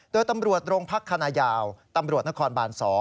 โดยตำรวจโรงพักคณะยาวตำรวจนครบาน๒